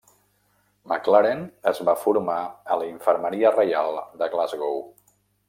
McLaren es va formar a la Infermeria Reial de Glasgow.